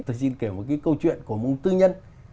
tự nhiên kể một cái câu chuyện của một tư nhân